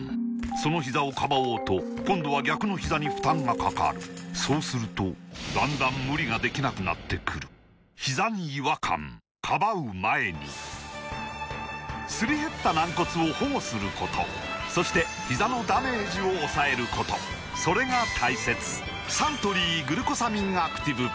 そのひざをかばおうと今度は逆のひざに負担がかかるそうするとだんだん無理ができなくなってくるすり減った軟骨を保護することそしてひざのダメージを抑えることそれが大切サントリー「グルコサミンアクティブ」